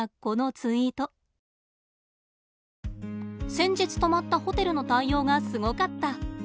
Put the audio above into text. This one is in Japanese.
「先日泊まったホテルの対応がすごかった」。